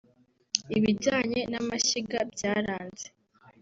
Ibijyanye n’amashyiga byaranze